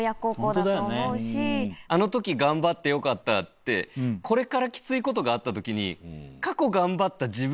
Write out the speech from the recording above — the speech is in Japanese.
「あの時頑張ってよかった」ってこれからキツいことがあった時に。